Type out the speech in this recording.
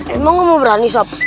emang kamu berani sob